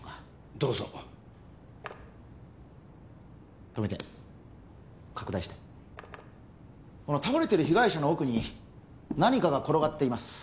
どうぞ止めて拡大して倒れている被害者の奥に何かが転がっています